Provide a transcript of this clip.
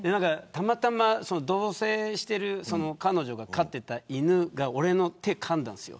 たまたま同棲している彼女が飼っていた犬が俺の手をかんだんですよ。